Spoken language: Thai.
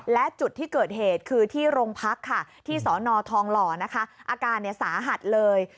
และจุดที่เกิดเหตุคือที่โรงพักค่ะที่สอนอทองหล่อนะคะอาการสาหัสเลย